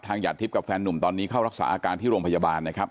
หยาดทิพย์กับแฟนหนุ่มตอนนี้เข้ารักษาอาการที่โรงพยาบาลนะครับ